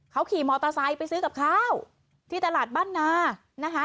เขาขี่มอเตอร์ไซค์ไปซื้อกับข้าวที่ตลาดบ้านนานะคะ